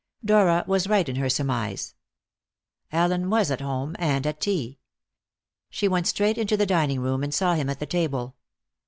Dora was right in her surmise. Allen was at home, and at tea. She went straight into the dining room and saw him at the table.